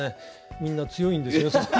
みんな強いんですよ。